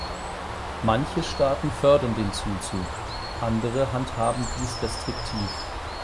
Manche Staaten fördern den Zuzug, andere handhaben dies restriktiv.